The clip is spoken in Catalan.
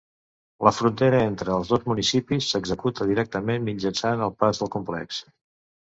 La frontera entre els dos municipis s'executa directament mitjançant el pas del complex.